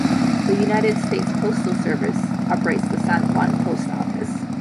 The United States Postal Service operates the San Juan Post Office.